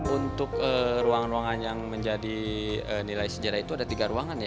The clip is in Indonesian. untuk ruangan ruangan yang menjadi nilai sejarah itu ada tiga ruangan ya